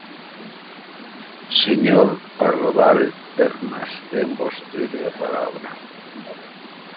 Señor Pardal Pernas, ten vostede a palabra.